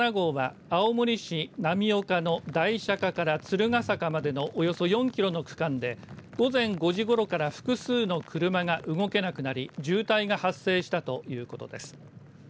国道７号は青森市浪岡の大釈迦から鶴ヶ坂までのおよそ４キロの区間で午前５時ごろから複数の車が動けなくなり渋滞が発生したということです。